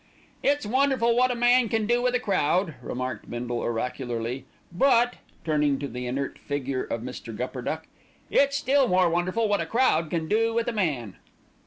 "It's wonderful wot a man can do with a crowd," remarked Bindle oracularly; "but," turning to the inert figure of Mr. Gupperduck, "it's still more wonderful wot a crowd can do with a man."